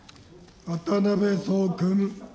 渡辺創君。